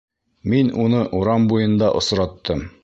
Мин уны урам буйында осраттым.